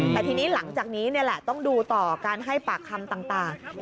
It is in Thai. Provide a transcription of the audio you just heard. แต่ทีนี้หลังจากนี้นี่แหละต้องดูต่อการให้ปากคำต่าง